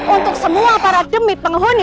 untuk semua para demit penghuni